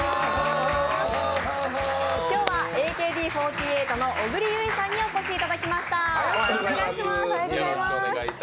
今日はＡＫＢ４８の小栗有以さんにお越しいただきました。